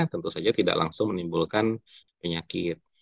tentu saja tidak langsung menimbulkan penyakit